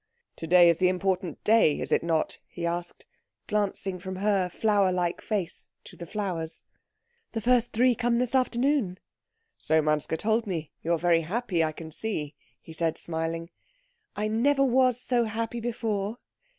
"To day is the important day, is it not?" he asked, glancing from her flower like face to the flowers. "The first three come this afternoon." "So Manske told me. You are very happy, I can see," he said, smiling. "I never was so happy before."